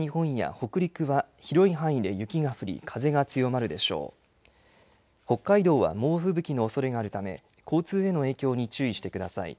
北海道は猛吹雪のおそれがあるため、交通への影響に注意してください。